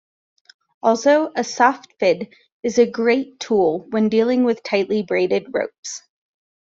Also a Softfid is a great tool when dealing with tightly braided ropes.